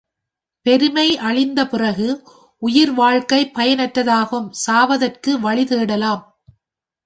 பெருமை அழிந்த பிறகு உயிர்வாழ்க்கை பயனற்றதாகும் சாவதற்கு வழி தேடலாம்.